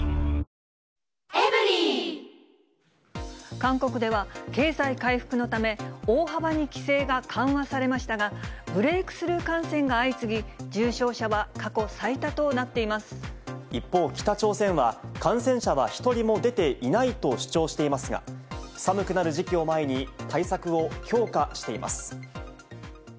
韓国では、経済回復のため、大幅に規制が緩和されましたが、ブレークスルー感染が相次ぎ、一方、北朝鮮は感染者は１人も出ていないと主張していますが、寒くなる時期を前に、対策を強化しています。